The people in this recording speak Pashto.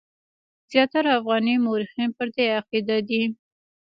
زیاتره افغاني مورخین پر دې عقیده دي.